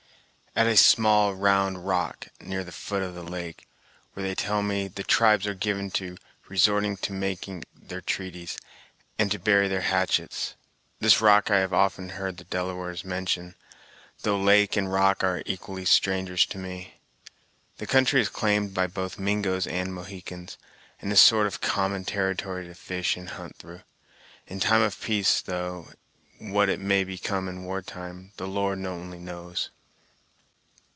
"At a small round rock, near the foot of the lake, where they tell me, the tribes are given to resorting to make their treaties, and to bury their hatchets. This rock have I often heard the Delawares mention, though lake and rock are equally strangers to me. The country is claimed by both Mingos and Mohicans, and is a sort of common territory to fish and hunt through, in time of peace, though what it may become in war time, the Lord only knows!"